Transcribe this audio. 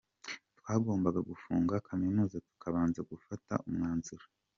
Twagombaga gufunga Kaminuza tukabanza gufata umwanzuro.